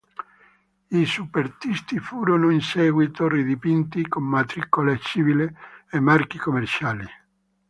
I superstiti furono in seguito ridipinti con matricole civili e marchi commerciali.